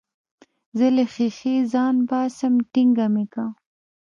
زه له ښيښې ځان باسم ټينګه مې که.